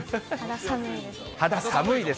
肌寒いです。